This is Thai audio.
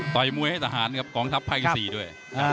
มวยให้ทหารครับกองทัพภาคที่๔ด้วย